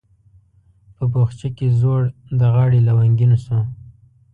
په بخچه کې زوړ د غاړي لونګین شو